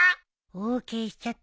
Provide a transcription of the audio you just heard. ＯＫしちゃったよ